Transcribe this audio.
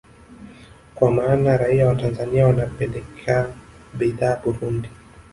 Kwa maana raia wa Tanzania wanapeleka bidhaa Burundi